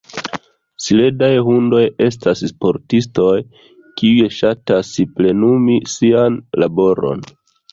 Sledaj hundoj estas sportistoj, kiuj ŝatas plenumi sian laboron.